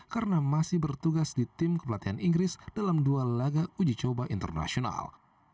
karena masih bertugas di tim kepelatihan inggris dalam dua laga uji coba internasional